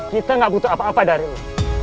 kita gak butuh apa apa dari allah